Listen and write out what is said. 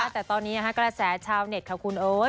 แต่ตอนนี้กระแสชาวเน็ตค่ะคุณโอ๊ย